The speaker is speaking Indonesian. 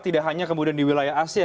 tidak hanya kemudian di wilayah asia